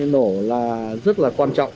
nổ là rất là quan trọng